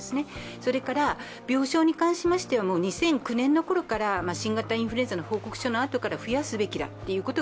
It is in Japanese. それから病床に関しましては、２００９年の頃から新型インフルエンザの報告のあとから増やすべきだと。